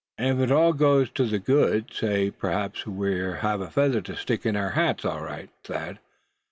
"And if it all goes to the good, say, p'raps we won't have a feather to stick in our hats, all right, Thad!